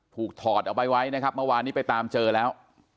ถอดเอาไปไว้นะครับเมื่อวานนี้ไปตามเจอแล้ว